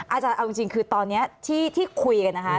อาจารย์เอาจริงคือตอนนี้ที่คุยกันนะคะ